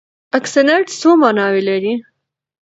اکسنټ څو ماناوې لري؟